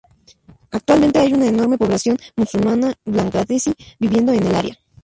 Actualmente hay una enorme población musulmana bangladesí viviendo en el área.